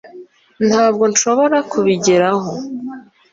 ntabwo nshobora kubigeraho